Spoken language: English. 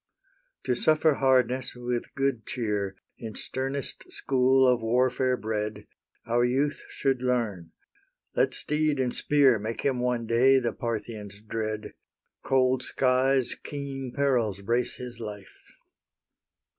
To suffer hardness with good cheer, In sternest school of warfare bred, Our youth should learn; let steed and spear Make him one day the Parthian's dread; Cold skies, keen perils, brace his life.